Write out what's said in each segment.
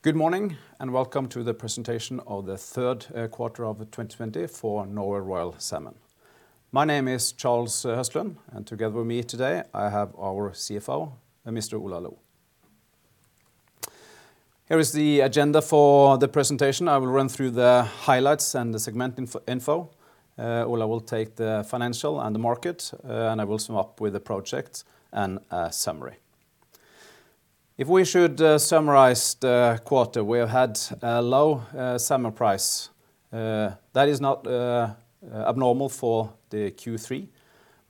Good morning, and welcome to the presentation of the third quarter of 2020 for Norway Royal Salmon. My name is Charles Høstlund, and together with me today, I have our CFO, Mr. Ola Loe. Here is the agenda for the presentation. I will run through the highlights and the segment info. Ola will take the financial and the market, and I will sum up with the project and summary. If we should summarize the quarter, we have had a low salmon price. That is not abnormal for the Q3,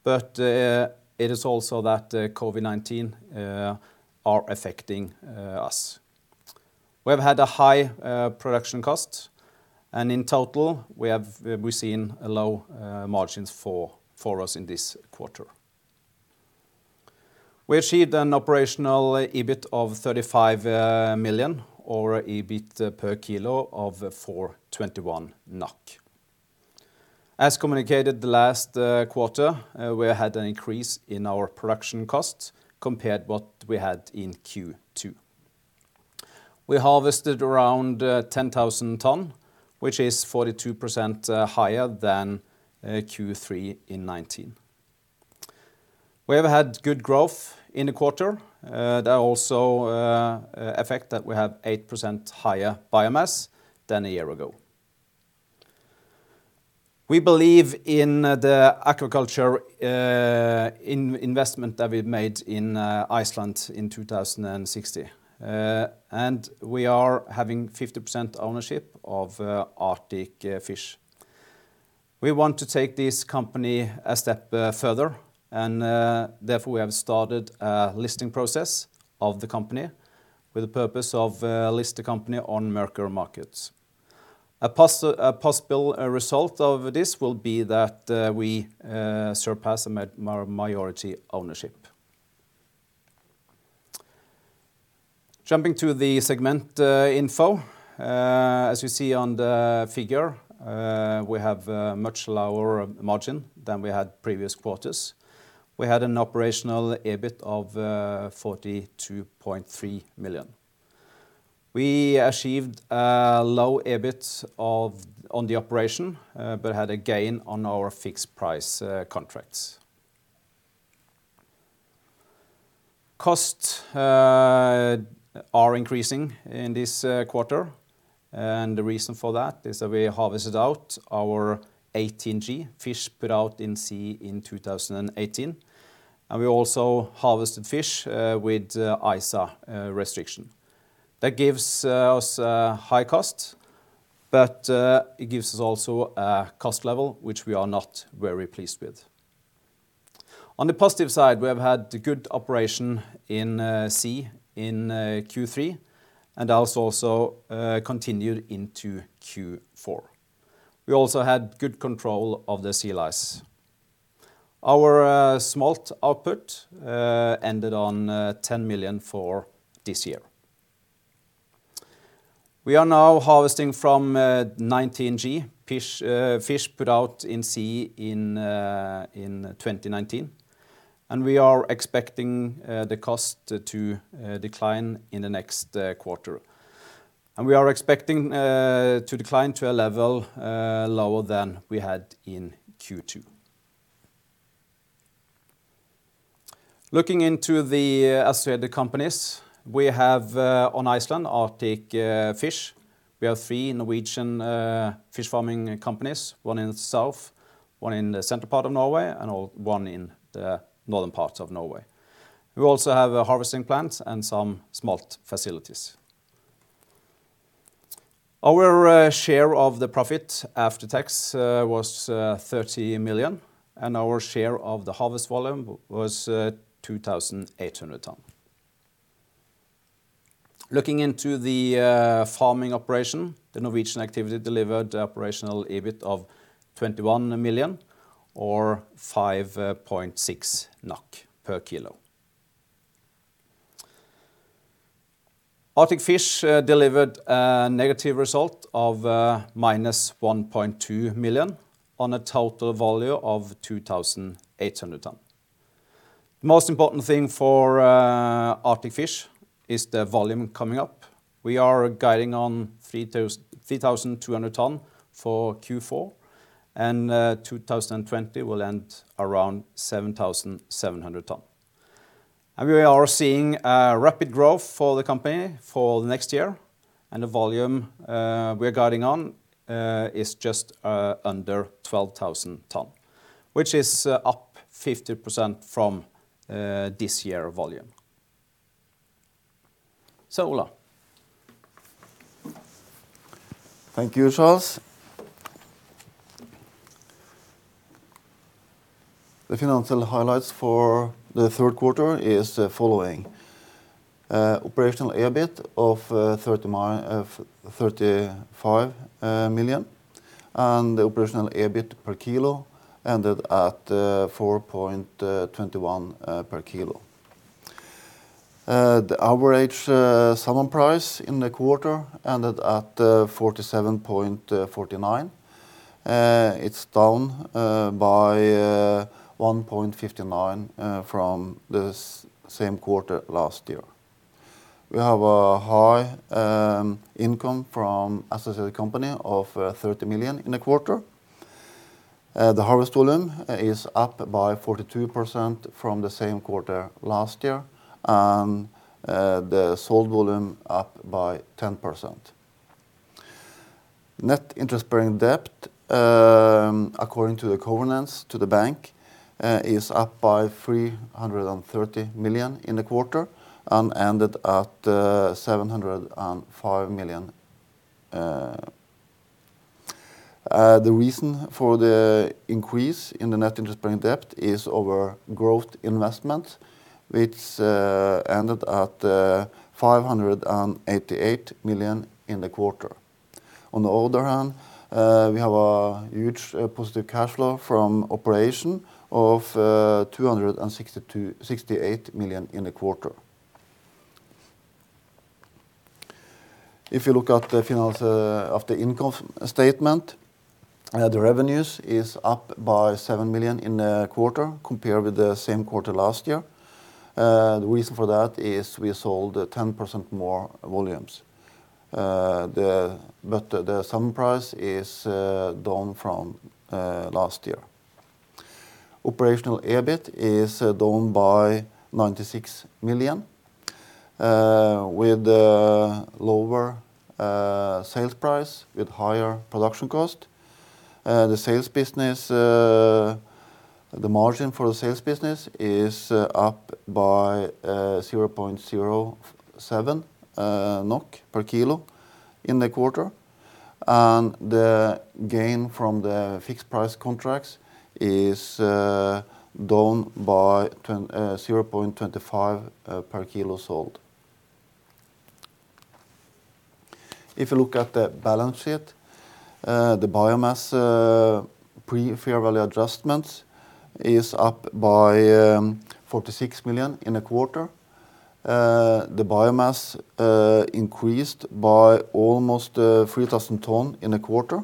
but it is also that COVID-19 are affecting us. We have had a high production cost, and in total, we've seen low margins for us in this quarter. We achieved an operational EBIT of 35 million or EBIT per kilo of 4.21 NOK. As communicated the last quarter, we had an increase in our production cost compared what we had in Q2. We harvested around 10,000 tons, which is 42% higher than Q3 in 2019. We have had good growth in the quarter. That also affect that we have 8% higher biomass than a year ago. We believe in the aquaculture investment that we made in Iceland in 2016. We are having 50% ownership of Arctic Fish. We want to take this company a step further. Therefore, we have started a listing process of the company with the purpose of list the company on Merkur Market. A possible result of this will be that we surpass a majority ownership. Jumping to the segment info. As you see on the figure, we have a much lower margin than we had previous quarters. We had an operational EBIT of 42.3 million. We achieved a low EBIT on the operation but had a gain on our fixed price contracts. Costs are increasing in this quarter, and the reason for that is that we harvested out our 18G fish put out in sea in 2018. We also harvested fish with ISA restriction. That gives us a high cost, but it gives us also a cost level which we are not very pleased with. On the positive side, we have had good operation in sea in Q3 and has also continued into Q4. We also had good control of the sea lice. Our smolt output ended on 10 million for this year. We are now harvesting from 19G fish put out in sea in 2019, and we are expecting the cost to decline in the next quarter. We are expecting to decline to a level lower than we had in Q2. Looking into the associated companies, we have, on Iceland, Arctic Fish. We have three Norwegian fish farming companies, one in the south, one in the central part of Norway, and one in the northern parts of Norway. We also have a harvesting plant and some smolt facilities. Our share of the profit after tax was 30 million, and our share of the harvest volume was 2,800 ton. Looking into the farming operation, the Norwegian activity delivered the operational EBIT of 21 million or 5.6 NOK per kilo. Arctic Fish delivered a negative result of -1.2 million on a total value of 2,800 ton. Most important thing for Arctic Fish is the volume coming up. We are guiding on 3,200 ton for Q4, and 2020 will end around 7,700 ton. We are seeing a rapid growth for the company for next year, and the volume we are guiding on is just under 12,000 tons, which is up 50% from this year volume. Ola. Thank you, Charles. The financial highlights for the third quarter is the following. Operational EBIT of 35 million. The operational EBIT per kilo ended at 4.21 per kilo. The average salmon price in the quarter ended at 47.49. It's down by 1.59 from the same quarter last year. We have a high income from associated company of 30 million in the quarter. The harvest volume is up by 42% from the same quarter last year. The sold volume up by 10%. Net interest-bearing debt, according to the covenants to the bank, is up by 330 million in the quarter and ended at 705 million. The reason for the increase in the net interest-bearing debt is our growth investment, which ended at 588 million in the quarter. On the other hand, we have a huge positive cash flow from operation of 268 million in the quarter. If you look at the finance of the income statement, the revenues is up by 7 million in the quarter compared with the same quarter last year. The reason for that is we sold 10% more volumes. The salmon price is down from last year. Operational EBIT is down by 96 million, with lower sales price, with higher production cost. The margin for the sales business is up by 0.07 NOK per kilo in the quarter, and the gain from the fixed price contracts is down by 0.25 per kilo sold. If you look at the balance sheet, the biomass pre-fair value adjustments is up by 46 million in a quarter. The biomass increased by almost 3,000 ton in a quarter,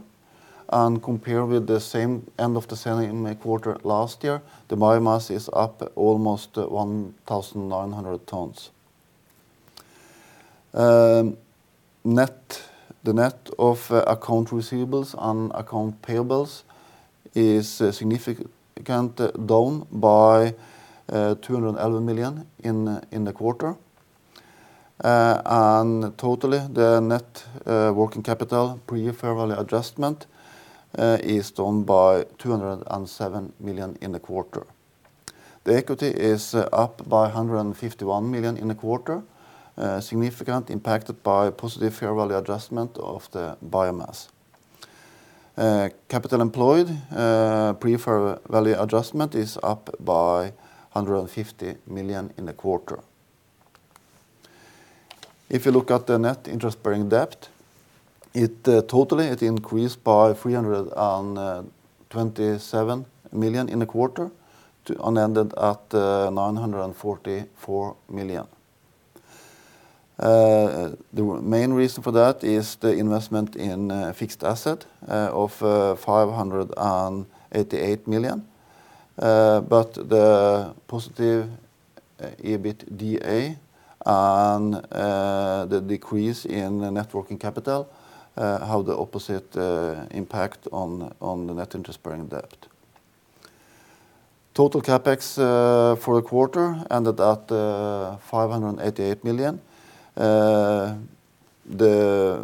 and compared with the same end of the same quarter last year, the biomass is up almost 1,900 tons. The net of account receivables and account payables is significantly down by 211 million in the quarter. Totally, the net working capital pre-fair value adjustment is down by 207 million in the quarter. The equity is up by 151 million in the quarter, significantly impacted by positive fair value adjustment of the biomass. Capital employed pre-fair value adjustment is up by 150 million in the quarter. If you look at the net interest-bearing debt, totally it increased by 327 million in the quarter and ended at 944 million. The main reason for that is the investment in fixed asset of 588 million. The positive EBITDA and the decrease in net working capital have the opposite impact on the net interest-bearing debt. Total CapEx for the quarter ended at 588 million. The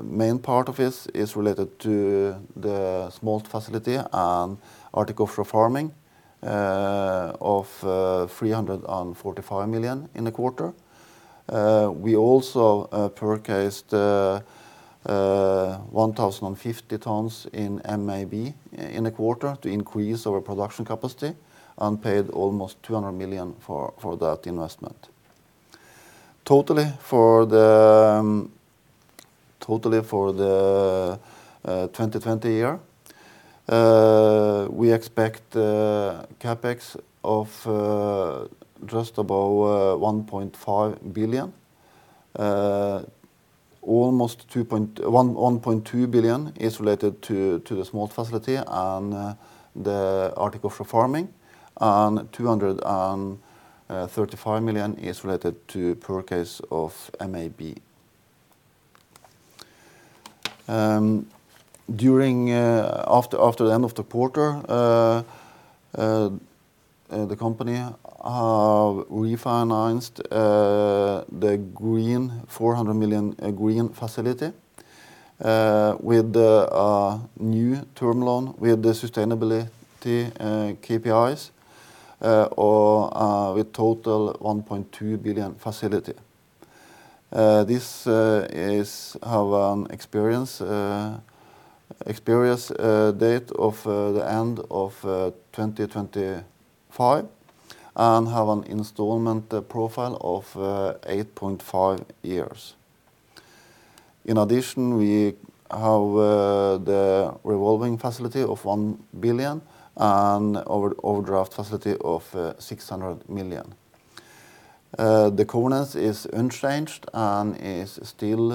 main part of this is related to the smolt facility and Arctic Offshore Farming of 345 million in the quarter. We also purchased 1,050 tons in MAB in the quarter to increase our production capacity and paid almost 200 million for that investment. Totally for the 2020 year, we expect CapEx of just above 1.5 billion. Almost 1.2 billion is related to the smolt facility and the Arctic Offshore Farming, and 235 million is related to purchase of MAB. After the end of the quarter, the company have refinanced the NOK 400 million green facility with a new term loan with the sustainability KPIs, or with total 1.2 billion facility. This have an experience date of the end of 2025 and have an installment profile of 8.5 years. In addition, we have the revolving facility of 1 billion and overdraft facility of 600 million. The covenants is unchanged and is still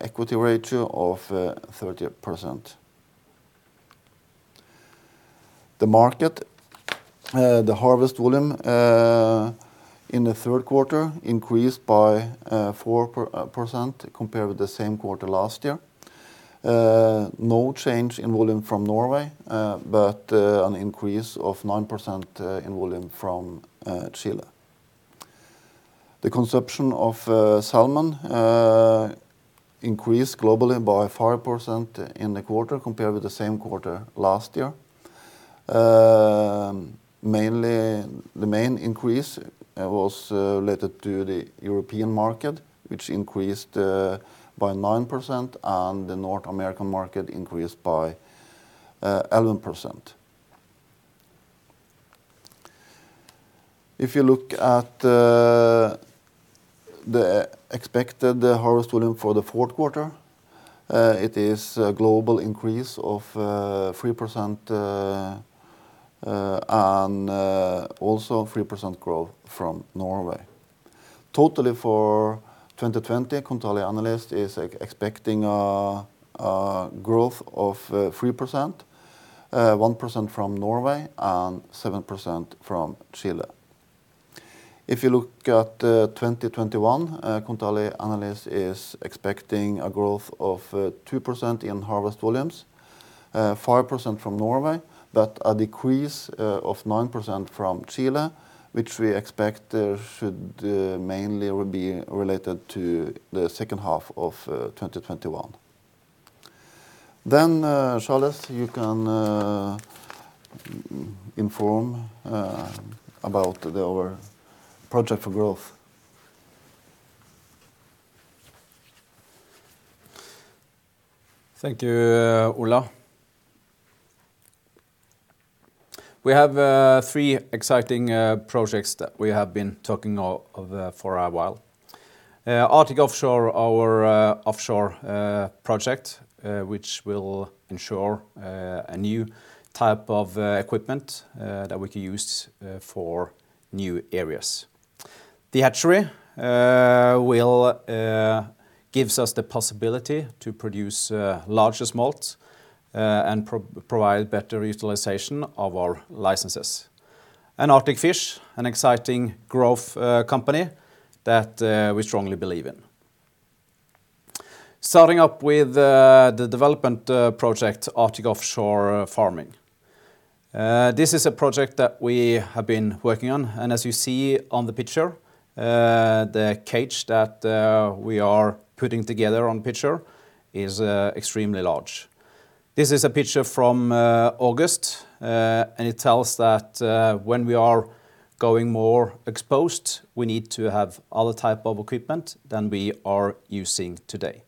equity ratio of 30%. The harvest volume in the third quarter increased by 4% compared with the same quarter last year. No change in volume from Norway, but an increase of 9% in volume from Chile. The consumption of salmon increased globally by 5% in the quarter compared with the same quarter last year. The main increase was related to the European market, which increased by 9%, and the North American market increased by 11%. If you look at the expected harvest volume for the fourth quarter, it is a global increase of 3% and also 3% growth from Norway. Totally for 2020, Kontali Analyse is expecting a growth of 3%, 1% from Norway and 7% from Chile. If you look at 2021, Kontali Analyse is expecting a growth of 2% in harvest volumes, 5% from Norway, but a decrease of 9% from Chile, which we expect should mainly be related to the second half of 2021. Charles, you can inform about our project for growth. Thank you, Ola. We have three exciting projects that we have been talking of for a while. Arctic Offshore, our offshore project, which will ensure a new type of equipment that we can use for new areas. The hatchery will give us the possibility to produce larger smolt and provide better utilization of our licenses. Arctic Fish, an exciting growth company that we strongly believe in. Starting up with the development project, Arctic Offshore Farming. This is a project that we have been working on, and as you see on the picture, the cage that we are putting together on picture is extremely large. This is a picture from August, and it tells that when we are going more exposed, we need to have other type of equipment than we are using today.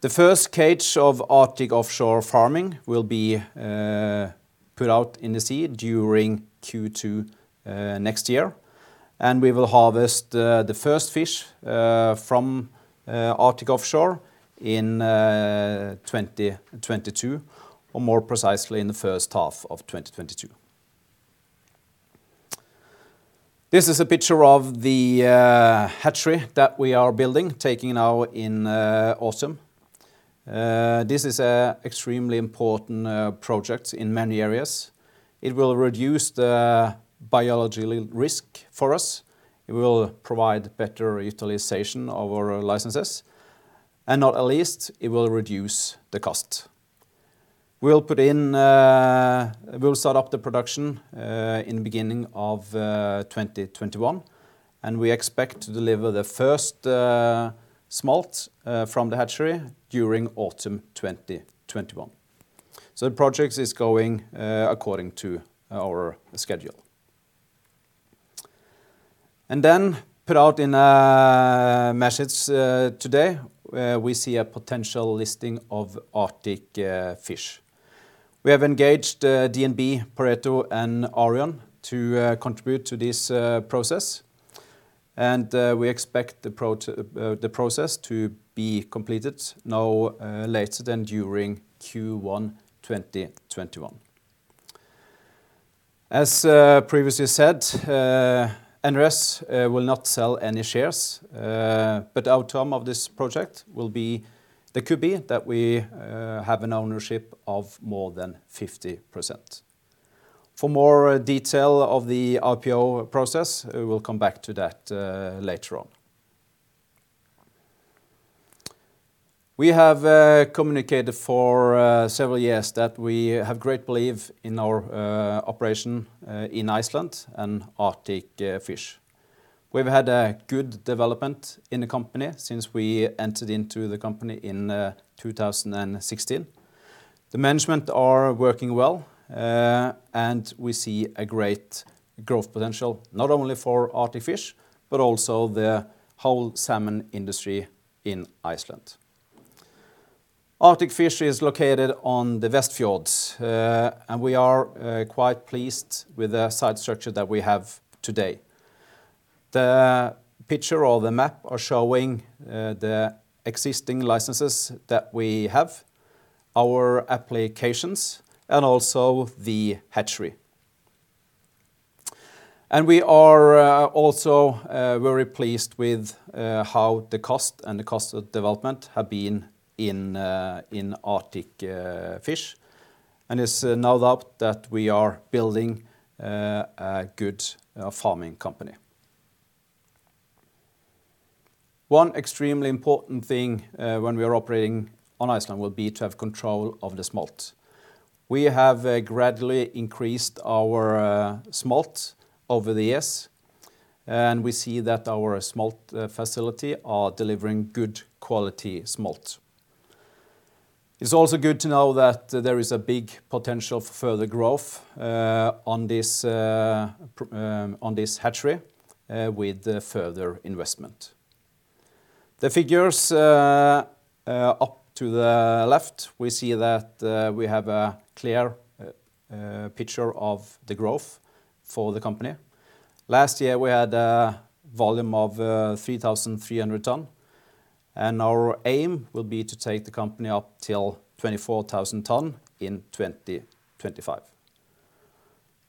The first cage of Arctic Offshore Farming will be put out in the sea during Q2 next year. We will harvest the first fish from Arctic Offshore in 2022, or more precisely in the first half of 2022. This is a picture of the hatchery that we are building, taken now in autumn. This is extremely important project in many areas. It will reduce the biological risk for us. It will provide better utilization of our licenses. Not at least, it will reduce the cost. We will start up the production in the beginning of 2021. We expect to deliver the first smolt from the hatchery during autumn 2021. The project is going according to our schedule. Put out in a message today, we see a potential listing of Arctic Fish. We have engaged DNB, Pareto, and Arion to contribute to this process. We expect the process to be completed no later than during Q1 2021. As previously said, NRS will not sell any shares, but the outcome of this project could be that we have an ownership of more than 50%. For more detail of the IPO process, we will come back to that later on. We have communicated for several years that we have great belief in our operation in Iceland and Arctic Fish. We've had a good development in the company since we entered into the company in 2016. The management are working well, and we see a great growth potential, not only for Arctic Fish, but also the whole salmon industry in Iceland. Arctic Fish is located on the Westfjords, and we are quite pleased with the site structure that we have today. The picture or the map are showing the existing licenses that we have. Our applications and also the hatchery. We are also very pleased with how the cost and the cost development have been in Arctic Fish. It's no doubt that we are building a good farming company. One extremely important thing when we are operating on Iceland will be to have control of the smolt. We have gradually increased our smolt over the years. We see that our smolt facility are delivering good quality smolt. It's also good to know that there is a big potential for further growth on this hatchery with further investment. The figures up to the left, we see that we have a clear picture of the growth for the company. Last year, we had a volume of 3,300 tons, and our aim will be to take the company up till 24,000 tons in 2025.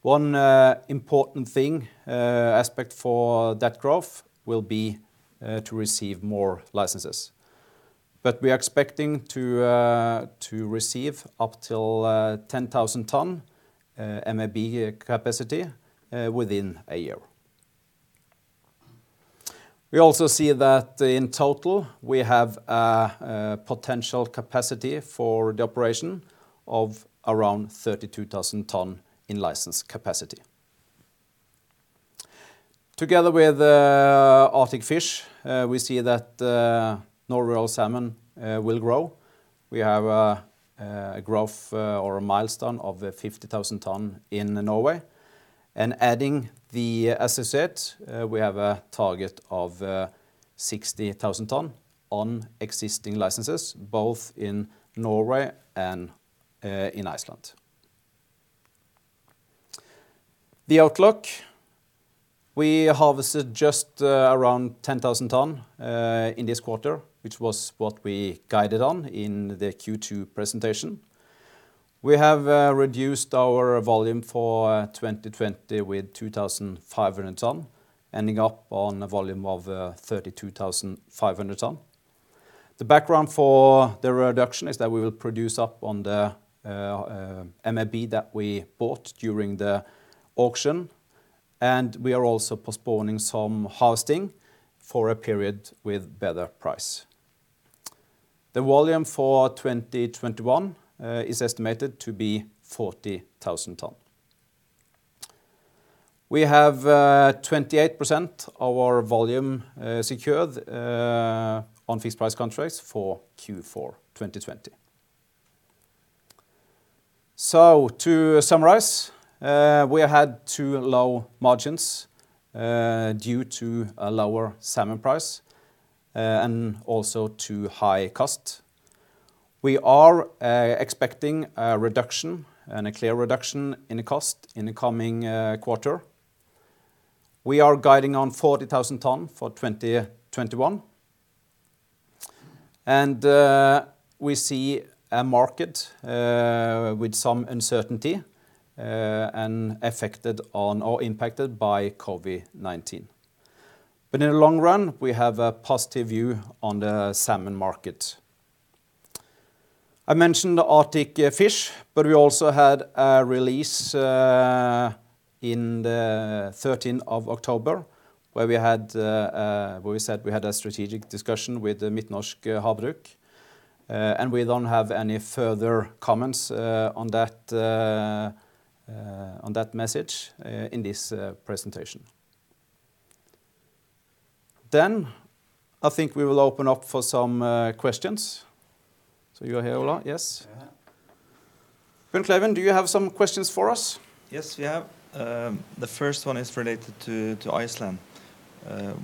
One important thing, aspect for that growth will be to receive more licenses. We are expecting to receive up till 10,000 tons MAB capacity within a year. We also see that in total, we have a potential capacity for the operation of around 32,000 tons in license capacity. Together with Arctic Fish, we see that Norway Royal Salmon will grow. We have a growth or a milestone of 50,000 tons in Norway, and adding the asset, we have a target of 60,000 tons on existing licenses both in Norway and in Iceland. The outlook, we harvested just around 10,000 tons in this quarter, which was what we guided on in the Q2 presentation. We have reduced our volume for 2020 with 2,500 tons, ending up on a volume of 32,500 tons. The background for the reduction is that we will produce up on the MAB that we bought during the auction, and we are also postponing some harvesting for a period with better price. The volume for 2021 is estimated to be 40,000 tons. We have 28% of our volume secured on fixed price contracts for Q4 2020. To summarize, we had too low margins due to a lower salmon price and also too high cost. We are expecting a reduction and a clear reduction in cost in the coming quarter. We are guiding on 40,000 tons for 2021. We see a market with some uncertainty and affected on or impacted by COVID-19. In the long run, we have a positive view on the salmon market. I mentioned Arctic Fish, but we also had a release in the 13th of October, where we said we had a strategic discussion with Midt-Norsk Havbruk. We don't have any further comments on that message in this presentation. I think we will open up for some questions. You are here, Ola. Yes. Bjørn Kleven, do you have some questions for us? Yes, we have. The first one is related to Iceland.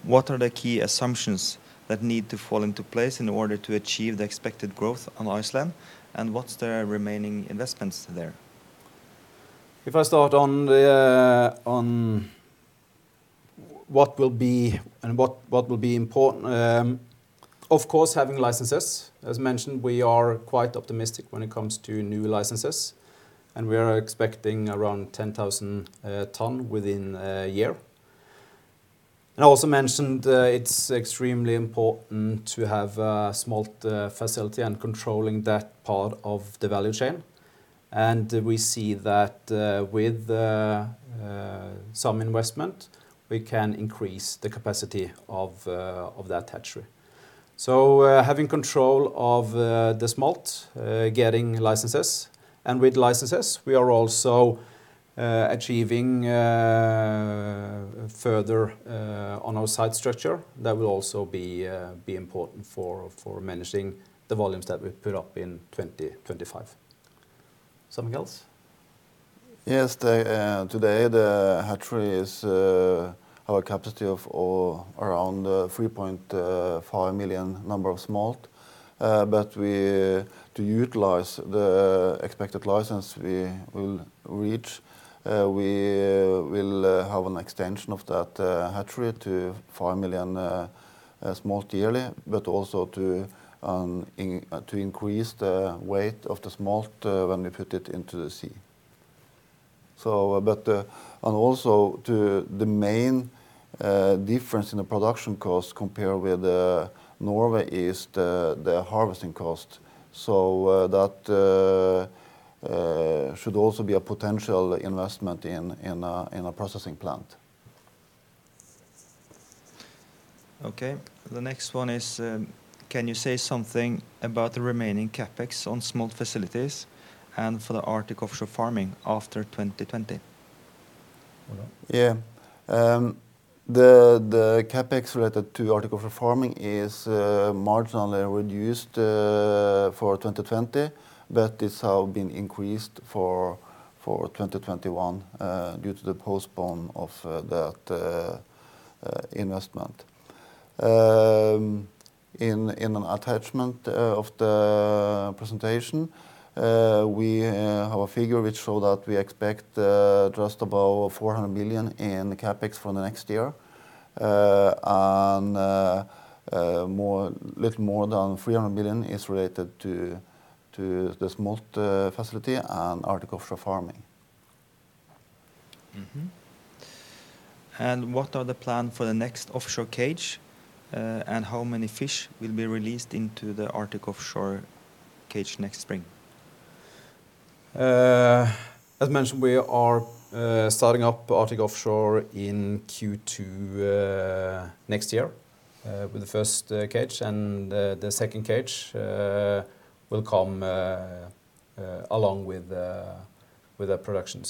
What are the key assumptions that need to fall into place in order to achieve the expected growth on Iceland? What's the remaining investments there? If I start on what will be important, of course, having licenses. As mentioned, we are quite optimistic when it comes to new licenses, we are expecting around 10,000 tons within a year. I also mentioned it's extremely important to have a smolt facility controlling that part of the value chain. We see that with some investment, we can increase the capacity of that hatchery. Having control of the smolt, getting licenses, with licenses, we are also achieving further on our site structure. That will also be important for managing the volumes that we put up in 2025. Something else? Yes. Today, the hatchery is our capacity of around 3.5 million number of smolt. To utilize the expected license we will reach, we will have an extension of that hatchery to 5 million smolt yearly, but also to increase the weight of the smolt when we put it into the sea. Also the main difference in the production cost compared with Norway is the harvesting cost. That should also be a potential investment in a processing plant. The next one is, can you say something about the remaining CapEx on smolt facilities and for the Arctic Offshore Farming after 2020? Yeah. The CapEx related to Arctic Offshore Farming is marginally reduced for 2020, but it's now been increased for 2021 due to the postpone of that investment. In an attachment of the presentation, we have a figure which show that we expect just above 400 million in CapEx for the next year. Little more than 300 million is related to the smolt facility and Arctic Offshore Farming. Mm-hmm. What are the plans for the next offshore cage, and how many fish will be released into the Arctic Offshore cage next spring? As mentioned, we are starting up Arctic Offshore in Q2 next year with the first cage, and the second cage will come along with the production.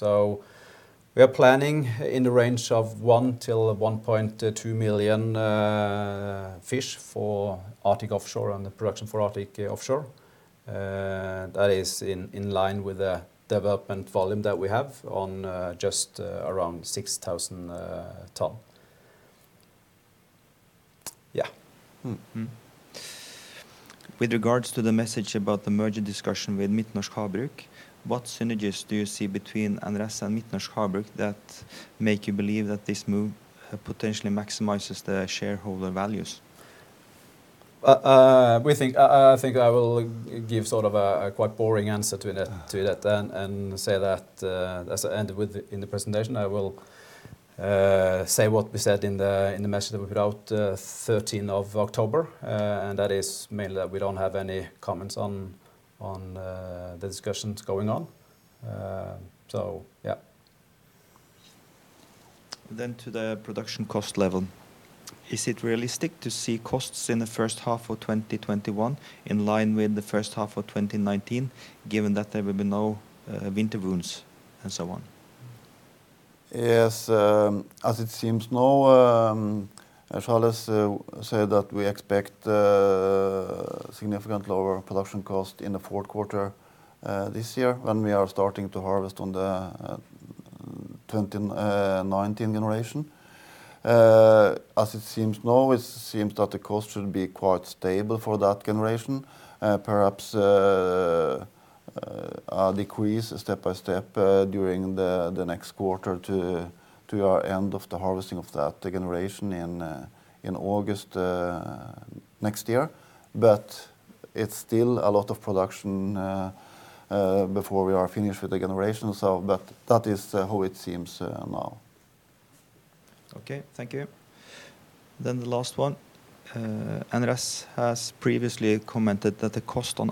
We are planning in the range of 1 million-1.2 million fish for Arctic Offshore and the production for Arctic Offshore. That is in line with the development volume that we have on just around 6,000 tons. Yeah. Mm-hmm. With regards to the message about the merger discussion with Midt-Norsk Havbruk, what synergies do you see between NRS and Midt-Norsk Havbruk that make you believe that this move potentially maximizes the shareholder values? I think I will give sort of a quite boring answer to that and say that as I ended with in the presentation, I will say what we said in the message that we put out the 13th of October, and that is mainly that we don't have any comments on the discussions going on. Yeah. To the production cost level. Is it realistic to see costs in the first half of 2021 in line with the first half of 2019, given that there will be no winter wounds and so on? Yes. As it seems now, Charles said that we expect significant lower production cost in the fourth quarter this year when we are starting to harvest on the 2019 generation. As it seems now, it seems that the cost should be quite stable for that generation. Perhaps a decrease step by step during the next quarter to our end of the harvesting of that generation in August next year. It's still a lot of production before we are finished with the generation. That is how it seems now. Okay. Thank you. The last one. NRS has previously commented that the cost on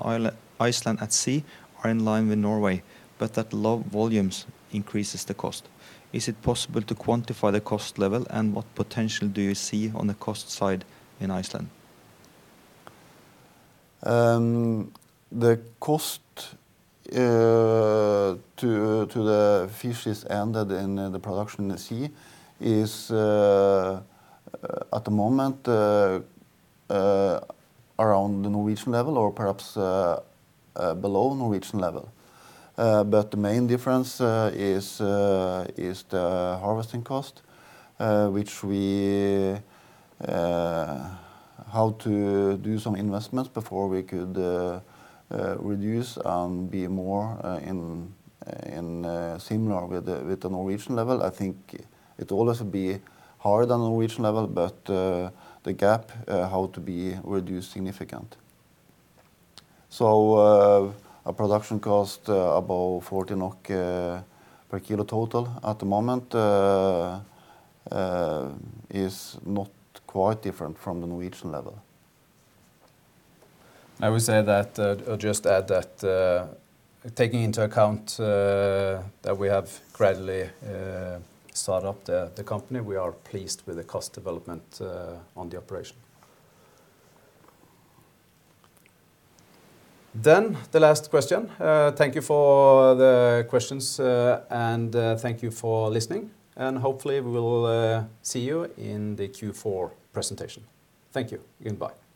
Iceland at sea are in line with Norway, but that low volumes increases the cost. Is it possible to quantify the cost level, and what potential do you see on the cost side in Iceland? The cost to the fishes ended in the production in the sea is at the moment around the Norwegian level or perhaps below Norwegian level. The main difference is the harvesting cost, which we have to do some investments before we could reduce and be more similar with the Norwegian level. I think it will always be higher than Norwegian level, the gap have to be reduced significant. A production cost above 40 NOK per kilo total at the moment is not quite different from the Norwegian level. I would just add that taking into account that we have gradually started up the company, we are pleased with the cost development on the operation. The last question. Thank you for the questions and thank you for listening, and hopefully we will see you in the Q4 presentation. Thank you. Goodbye. Thank you.